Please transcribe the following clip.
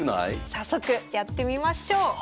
早速やってみましょう。